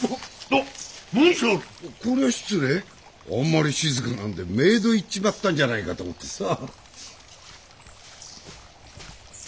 あんまり静かなんで冥土いっちまったんじゃないかと思ってさ。